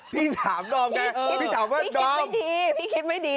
พี่ถามดอมไงพี่ถามว่าดอมไม่ดีพี่คิดไม่ดี